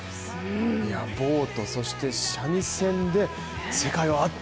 ボート、そして三味線で世界をあっと